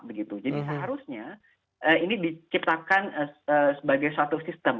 jadi seharusnya ini diciptakan sebagai satu sistem